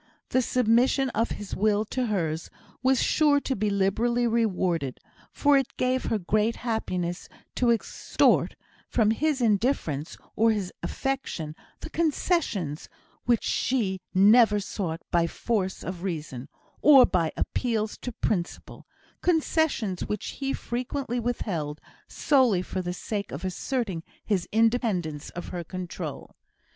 The submission of his will to hers was sure to be liberally rewarded; for it gave her great happiness to extort, from his indifference or his affection, the concessions which she never sought by force of reason, or by appeals to principle concessions which he frequently withheld, solely for the sake of asserting his independence of her control.